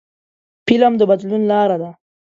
فلم د بدلون لاره ده